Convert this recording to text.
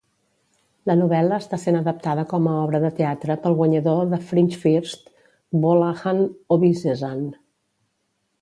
La novel·la està sent adaptada com a obra de teatre pel guanyador de Fringe First, Gbolahan Obisesan.